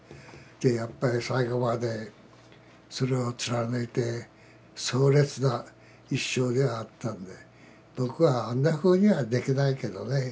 やっぱり最後までそれを貫いて壮烈な一生ではあったので僕はあんなふうにはできないけどね。